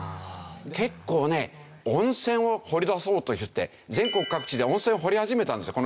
結構ね温泉を掘り出そうといって全国各地で温泉を掘り始めたんですよ。